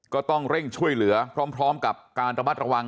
ก็ต้องเร่งช่วยเหลือพร้อมกับการระมัดระวัง